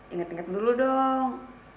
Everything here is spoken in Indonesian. ingat ingat dulu dong